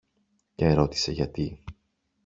και ρώτησε γιατί.